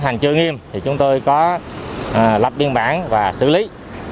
chỉ còn một trường nghiêm thì chúng tôi có lập biên bản và xử lý